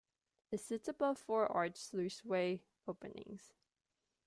It sits above four arched sluiceway openings.